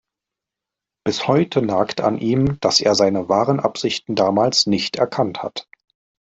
Bis heute nagt an ihm, dass er seine wahren Absichten damals nicht erkannt hat.